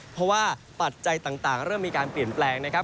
เพราะว่าปัจจัยต่างเริ่มมีการเปลี่ยนแปลงนะครับ